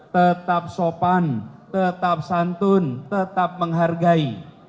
tetap sopan tetap santun tetap menghargai